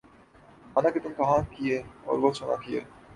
مانا کہ تم کہا کیے اور وہ سنا کیے